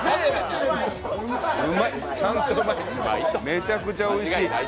めちゃくちゃおいしい。